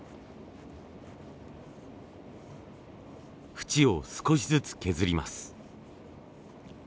縁を少しずつ削ります。